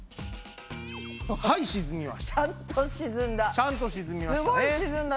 ちゃんと沈んだ！